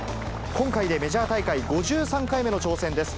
今回でメジャー大会５３回目の挑戦です。